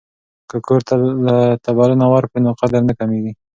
که کور ته بلنه ورکړو نو قدر نه کمیږي.